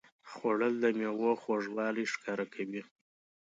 خوړل د میوو خوږوالی ښکاره کوي